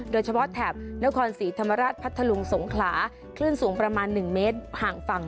แถบนครศรีธรรมราชพัทธลุงสงขลาคลื่นสูงประมาณ๑เมตรห่างฝั่ง